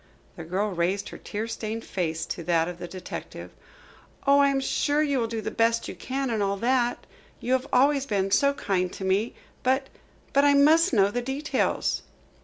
The girl raised her tear stained face to that of the detective. "Oh, I am sure you will do the best you can and all that you have always been so kind to me. But but I must know the details."